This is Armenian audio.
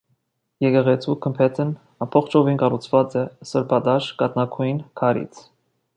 Եկեղեցու գմբեթն ամբողջովին կառուցված է սրբատաշ կաթնագույն քարից։